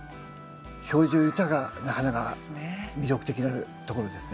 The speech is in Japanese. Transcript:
表情豊かな花が魅力的なところですね。